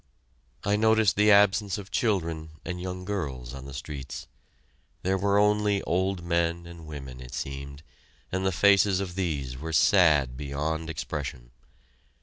I noticed the absence of children and young girls on the streets. There were only old men and women, it seemed, and the faces of these were sad beyond expression.